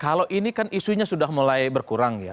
kalau ini kan isunya sudah mulai berkurang ya